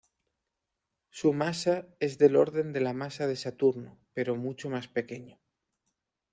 Su masa es del orden de la masa de Saturno pero mucho más pequeño.